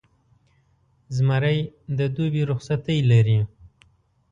زمری د دوبي رخصتۍ لري.